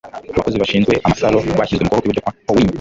abakozi bashinzwe amasaro bashyizwe mu kuboko kw'iburyo kwa owiny